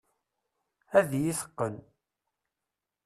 Ad iyi-teqqen.